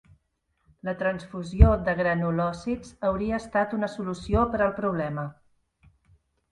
La transfusió de granulòcits hauria estat una solució per al problema.